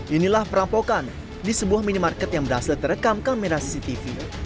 inilah perampokan di sebuah minimarket yang berhasil terekam kamera cctv